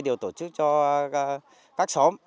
đều tổ chức cho các xóm